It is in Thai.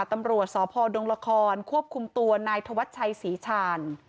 ตำรวจสพดงละครควบคุมตัวนายธวัชชัยศรีชาญ